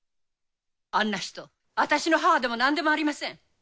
あんな人私の母でも何でもありません。